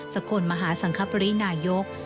สกลมหาสังคปรินายก